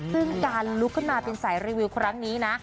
ซึ่งการลุกขึ้นมาเป็นสายรีวิวครั้งนี้นะ